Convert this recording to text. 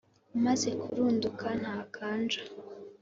Umaze kurunduka ntakanja: